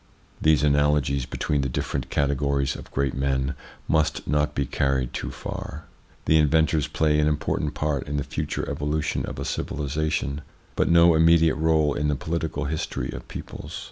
These analogies between the different categories of great men must not be carried too far. The inventors play an important part in the future evolution of a civilisation, but no immediate role in the political his tory of peoples.